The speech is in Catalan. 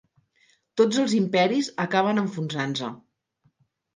Tots els imperis acaben enfonsant-se.